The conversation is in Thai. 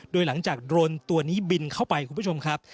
โดยหลังจากโดรนตัวนี้บินเข้าไปคุณผู้ชมครับ